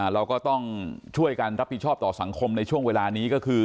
เราก็ต้องช่วยกันรับผิดชอบต่อสังคมในช่วงเวลานี้ก็คือ